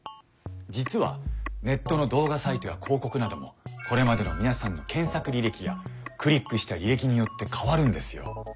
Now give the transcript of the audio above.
実はネットの動画サイトや広告などもこれまでの皆さんの検索履歴やクリックした履歴によって変わるんですよ。